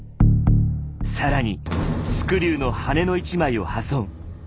更にスクリューの羽根の１枚を破損。